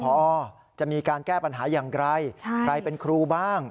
พอจะมีการแก้ปัญหาอย่างไรใครเป็นครูบ้าง